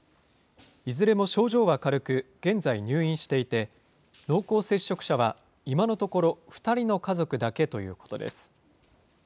いずれも症状は軽く、現在入院していて、濃厚接触者は今のところ２人の家族だけということです。